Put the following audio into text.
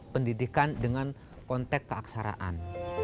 pendidikan dengan konteks keaksaraan